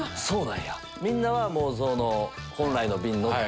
みんなは本来の便乗って。